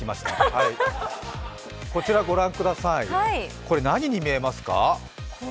こちらご覧ください、何に見えますか？